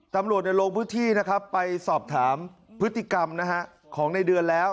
ตำรวจลงพื้นที่นะครับไปสอบถามพฤติกรรมนะฮะของในเดือนแล้ว